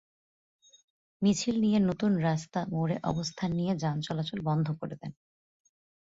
মিছিল নিয়ে নতুন রাস্তা মোড়ে অবস্থান নিয়ে যান চলাচল বন্ধ করে দেন।